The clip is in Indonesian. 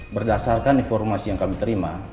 berdasarkan informasi yang kami terima